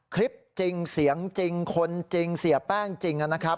คลิปจริงเสียงจริงคนจริงเสียแป้งจริงนะครับ